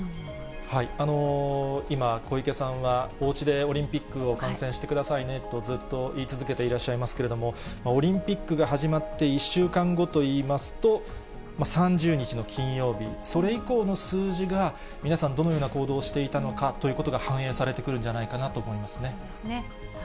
今、小池さんは、おうちでオリンピックを観戦してくださいねと、ずっと言い続けていらっしゃいますけれども、オリンピックが始まって１週間後といいますと、３０日の金曜日、それ以降の数字が、皆さん、どのような行動をしていたのかということが反映されてくるんじゃそうですね。